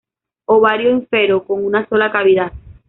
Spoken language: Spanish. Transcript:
Ovario ínfero, con una sola cavidad.